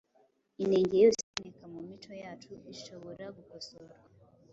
inenge yose iboneka mu mico yacu ishobobora gukosorwa